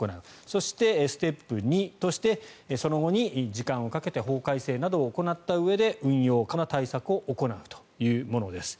そして、ステップ２としてその後に時間をかけて法改正などを行ったうえで運用可能な対策を行うというものです。